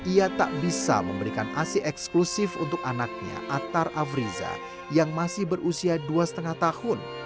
ia tak bisa memberikan asi eksklusif untuk anaknya attar afriza yang masih berusia dua lima tahun